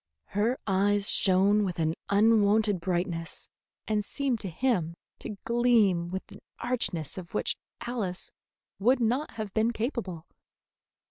Her eyes shone with an unwonted brightness, and seemed to him to gleam with an archness of which Alice would not have been capable.